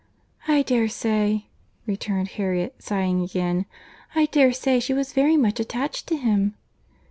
"I dare say," returned Harriet, sighing again, "I dare say she was very much attached to him."